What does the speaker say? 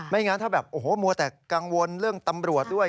งั้นถ้าแบบโอ้โหมัวแต่กังวลเรื่องตำรวจด้วย